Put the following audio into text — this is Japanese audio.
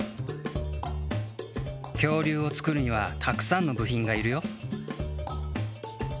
恐竜を作るにはたくさんのぶひんがいるよ。